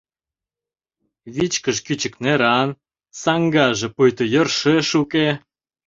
Вичкыж кӱчык неран, саҥгаже пуйто йӧршеш уке.